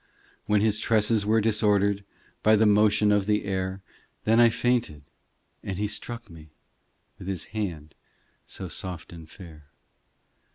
253 254 POEMS When His tresses were disordered By the motion of the air, Then I fainted, and He struck me With His hand so soft and fair.